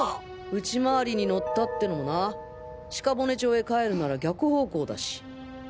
内回りに乗ったってのもな鹿骨町へ帰るなら逆方向だし。